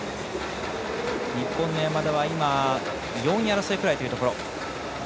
日本の山田は４位争いぐらいというところ。